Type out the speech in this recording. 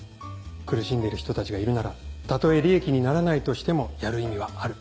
苦しんでる人たちがいるならたとえ利益にならないとしてもやる意味はある。